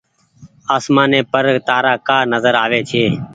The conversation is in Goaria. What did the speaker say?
آسمآني پر تآرآ ڪآ نزر آ ري ڇي۔